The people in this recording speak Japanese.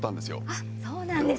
あ、そうなんですね。